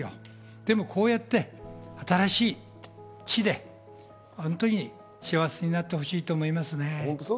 でもこうやって新しい地でホントに幸せになってほしいと思いますね。